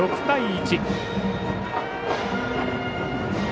６対１。